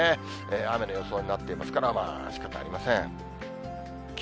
雨の予想になっていますから、しかたありません。